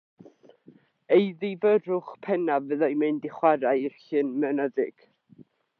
Ei ddifyrrwch pennaf fyddai mynd i chware i'r llyn mynyddig.